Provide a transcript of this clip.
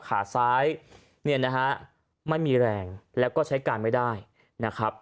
ขาซ้ายเนี่ยนะฮะไม่มีแรงแล้วก็ใช้การไม่ได้นะครับ